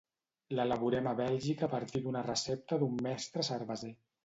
L'elaborem a Bèlgica a partir d'una recepta d'un mestre cerveser.